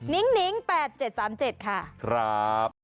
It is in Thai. ิ้งนิ้ง๘๗๓๗ค่ะครับ